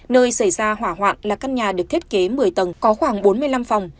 nơi xảy ra hỏa hoạn là căn nhà được thiết kế một mươi tầng có khoảng bốn mươi năm phòng